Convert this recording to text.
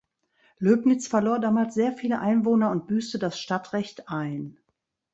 Löbnitz verlor damals sehr viele Einwohner und büßte das Stadtrecht ein.